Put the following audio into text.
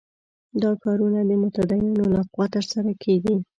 دا کارونه د متدینو له خوا ترسره کېږي.